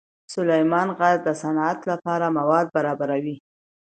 سلیمان غر د صنعت لپاره مواد برابروي.